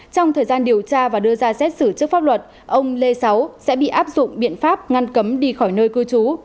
trong thời gian điều tra và đưa ra xét xử trước pháp luật ông lê sáu sẽ bị áp dụng biện pháp ngăn cấm đi khỏi nơi cư trú